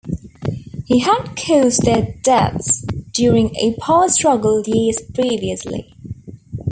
He had caused their deaths during a power struggle years previously.